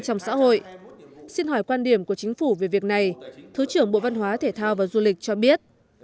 trong xã hội xin hỏi quan điểm của chính phủ về việc này thứ trưởng bộ văn hóa thể thao và du lịch cho biết